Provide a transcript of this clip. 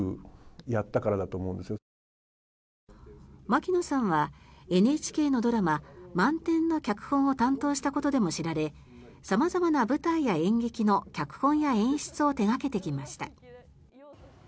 マキノさんはＮＨＫのドラマ「まんてん」の脚本を担当したことでも知られ様々な舞台や演劇の脚本や演出を手掛けてきました。